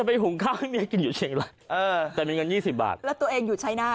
อ๋อไปหุ้มข้าวที่เชียงรายเลยเหรอ